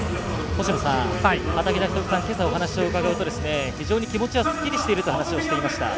星野さん、畠田瞳さんにけさ、お話を伺うと非常に気持ちはすっきりしていると話していました。